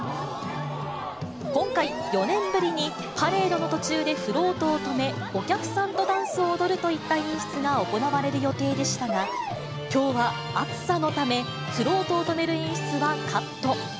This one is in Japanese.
今回、４年ぶりにパレードの途中でフロートを止め、お客さんとダンスを踊るといった演出が行われる予定でしたが、きょうは暑さのため、フロートを止める演出はカット。